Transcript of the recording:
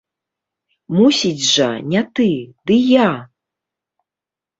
Мусіць жа, не ты, ды я!